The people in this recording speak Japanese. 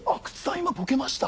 今ボケました？